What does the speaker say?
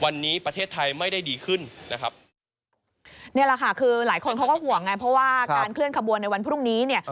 นี่แหละค่ะคือหลายคนเขาก็ห่วงไงเพราะว่าการเคลื่อนขบวนในวันพรุ่งนี้เนี่ย